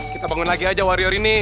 kita bangun lagi aja warrior ini